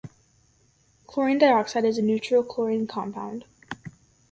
Chlorine dioxide is a neutral chlorine compound.